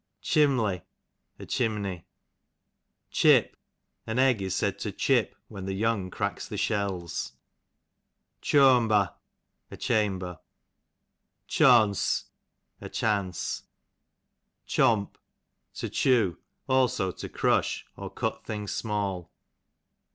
Chimley, a chimney. Chip, an egg is said to chip ivhen the young cracks the shells. Choamber, a chamber. Choance, a chance. Chomp, to chew ; also to ei'ush, or cut things small.